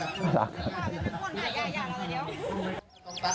น่ารักครับ